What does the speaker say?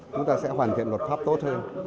chúng ta sẽ hoàn thiện luật pháp tốt hơn